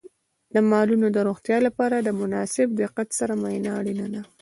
د مالونو د روغتیا لپاره د مناسب دقت سره معاینه اړینه ده.